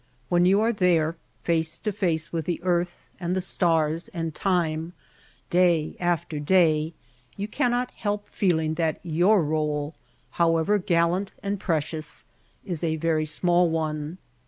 When you are there, face to face with the earth and the stars and time day after day, you cannot help feeling that your role, however gal lant and precious, is a very small one.